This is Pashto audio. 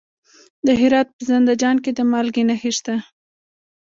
د هرات په زنده جان کې د مالګې نښې شته.